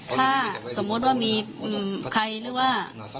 ถ้าสมมุติว่ามีใครหรือว่า